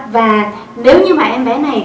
và nếu như mà em bé này